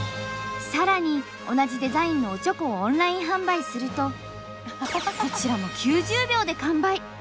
更に同じデザインの「おちょこ」をオンライン販売するとこちらも９０秒で完売。